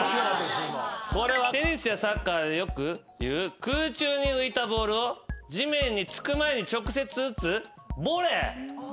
これはテニスやサッカーでよく言う空中に浮いたボールを地面につく前に直接打つボレー。